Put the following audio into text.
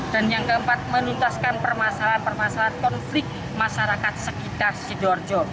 dan yang keempat menuntaskan permasalahan permasalahan konflik masyarakat sekitar sidoarjo